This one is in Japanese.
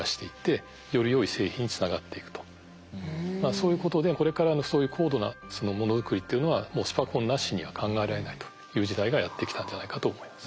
そういうことでこれからのそういう高度なものづくりっていうのはもうスパコンなしには考えられないという時代がやってきたんじゃないかと思います。